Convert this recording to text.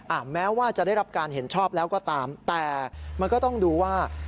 แม้ว่าจะได้รับการเห็นชอบแล้วก็ตามแต่มันก็ต้องดูว่า